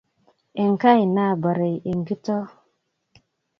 Enkai nabore enkitoo